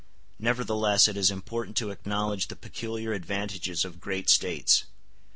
Nevertheless it is important to acknowledge the peculiar advantages of great States.